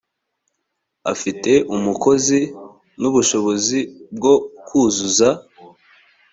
afite umukozi n ‘ubushobozi bwo kuzuza.